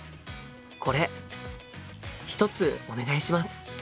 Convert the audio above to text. これ１つお願いします。